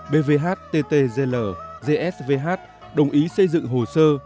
b v h t t g l g s v h đồng ý xây dựng hồ sơ